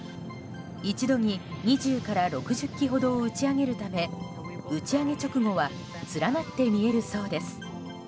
一度に２０から６０基ほどを打ち上げるため打ち上げ直後は連なって見えるそうです。